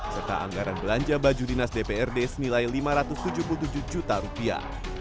serta anggaran belanja baju dinas dprd semilai rp lima ratus tujuh puluh tujuh juta